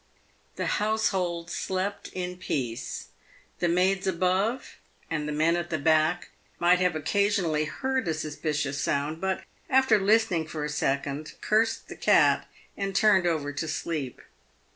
The household slept in peace. The maids above and the men at the back might have occasionally heard a suspicious sound, but, after listening for a second, cursed the cat, and turned over to sleep.